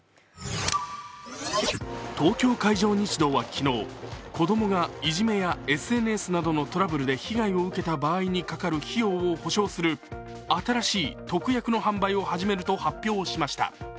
東京海上日動は昨日子供がいじめやＳＮＳなどのトラブルで被害を受けた場合にかかる費用を補償する新しい特約の販売を始めると発表しました。